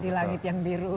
di langit yang biru